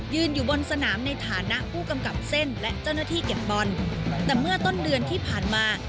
อยู่บนสนามในฐานะผู้กำกับเส้นและเจ้าหน้าที่เก็บบอลแต่เมื่อต้นเดือนที่ผ่านมา